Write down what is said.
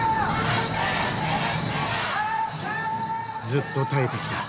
ずっと耐えてきた。